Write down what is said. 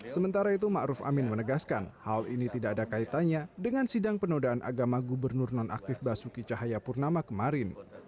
sementara itu ⁇ maruf ⁇ amin menegaskan hal ini tidak ada kaitannya dengan sidang penodaan agama gubernur nonaktif basuki cahayapurnama kemarin